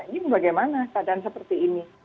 ini bagaimana keadaan seperti ini